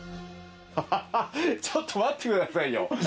アハハちょっと待ってくださいよ。